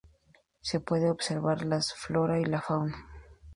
Se puede observar la flora y fauna.